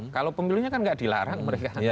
kalau pemilunya kan nggak dilarang mereka